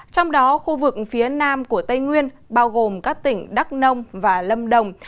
trong đó khu vực phía nam của tây nguyên bao gồm các tỉnh đắk nông và lâm đồng